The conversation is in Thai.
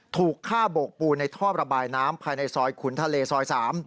ถูกฆ่าโบกปูในท่อระบายน้ำภายในซอยขุนทะเลซอย๓